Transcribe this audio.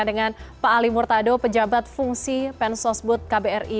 dengan pak ali murtado pejabat fungsi pensosbud kbri